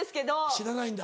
知らないんだ。